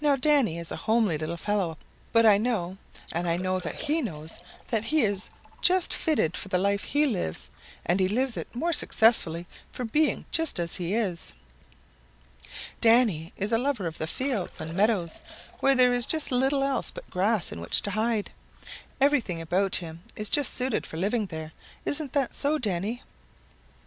"Now, Danny is a homely little fellow, but I know, and I know that he knows that he is just fitted for the life he lives, and he lives it more successfully for being just as he is. "Danny is a lover of the fields and meadows where there is little else but grass in which to hide. Everything about him is just suited for living there. Isn't that so, Danny?"